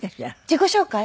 自己紹介？